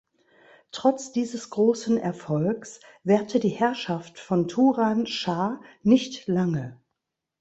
Trotz dieses großen Erfolgs währte die Herrschaft von Turan Schah nicht lange.